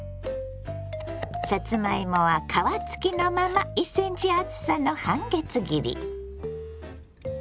さつまいもは皮付きのまま１ｃｍ厚さの半月切り。